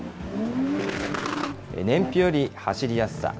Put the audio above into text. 燃費より、走りやすさ。